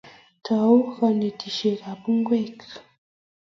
Tau kanetishet ab ng'wek